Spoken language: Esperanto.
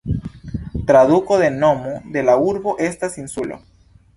Traduko de nomo de la urbo estas "insulo".